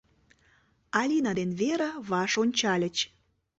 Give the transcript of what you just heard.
Алина ден Вера ваш ончальыч.